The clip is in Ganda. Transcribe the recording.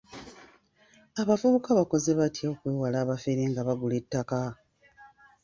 Abavubuka bakoze batya okwewala abafere nga bagula ettaka?